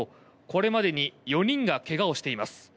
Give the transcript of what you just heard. これまでに４人が怪我をしています。